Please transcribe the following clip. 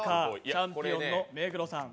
チャンピオンの目黒さん。